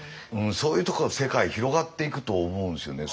そういうところの世界広がっていくと思うんですよね。